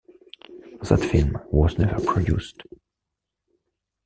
That film was never produced.